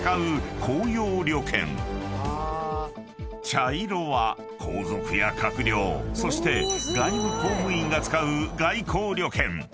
［茶色は皇族や閣僚そして外務公務員が使う外交旅券］